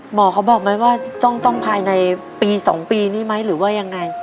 หมอเขาบอกไหมว่าต้องภายในปี๒ปีนี้ไหมหรือว่ายังไง